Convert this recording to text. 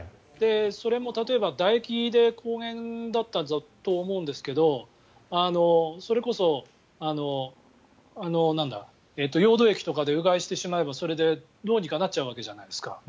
それも、例えばだ液で抗原だったと思うんですがそれこそヨード液体とかでうがいしてしまえばそれでどうにかなっちゃうわけじゃないですか。